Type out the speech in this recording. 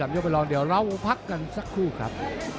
ยกไปลองเดี๋ยวเราพักกันสักครู่ครับ